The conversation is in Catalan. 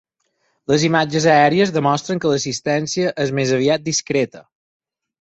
Les imatges aèries demostren que l’assistència és més aviat discreta.